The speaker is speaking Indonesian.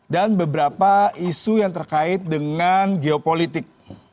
dan beberapa isu yang terkait dengan geopolitik